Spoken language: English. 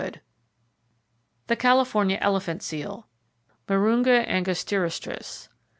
Townsend. The California Elephant Seal, (Mirounga angustirostris).